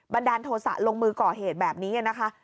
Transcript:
ดาลโทษะลงมือก่อเหตุแบบนี้นะคะ